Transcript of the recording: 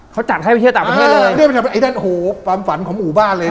เขาจัดให้ไปเที่ยวต่างประเทศเลยเนี่ยไอ้นั่นโหความฝันของหมู่บ้านเลย